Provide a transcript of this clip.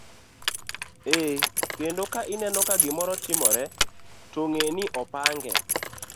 Ee, ka ineno ka gimoro timore to ng'e ni ne opange.